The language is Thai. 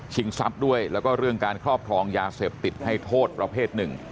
ทรัพย์ด้วยแล้วก็เรื่องการครอบครองยาเสพติดให้โทษประเภทหนึ่ง